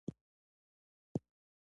که زده کړه عملي شي، پرمختګ نه درېږي.